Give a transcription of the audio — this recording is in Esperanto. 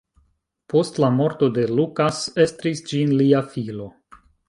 Post la morto de Lucas estris ĝin lia filo.